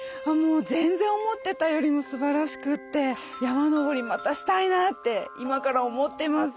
全然思ってたよりもすばらしくて山登りまたしたいなって今から思ってます。